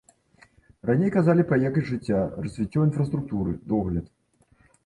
Раней казалі пра якасць жыцця, развіццё інфраструктуры, догляд.